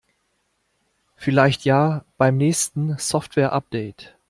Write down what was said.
Vielleicht ja beim nächsten Softwareupdate.